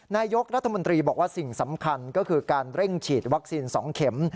นายกรัฐมนตรีบอกว่าสิ่งสำคัญก็คือการเร่งฉีดวัคซีน๒เข็ม